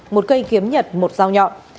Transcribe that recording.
một cây kiếm nhật một dao nhọn